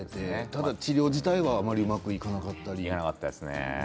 ただ治療自体はうまくいかなかったですね。